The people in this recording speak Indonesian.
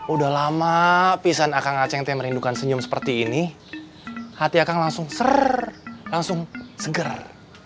udah lama pisan akan ngaceng kemerindukan senyum seperti ini hati akan langsung ser langsung seger